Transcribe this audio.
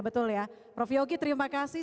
betul ya prof yogi terima kasih